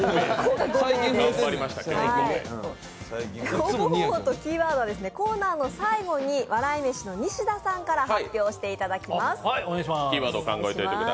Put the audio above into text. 応募方法とキーワードはコーナーの最後に笑い飯の西田さんから発表していただきます。